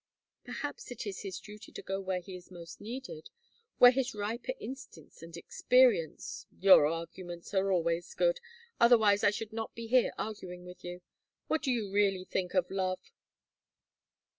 "Perhaps it is his duty to go where he is most needed where his riper instincts and experience " "Your arguments are always good, otherwise I should not be here arguing with you. What do you really think of love?"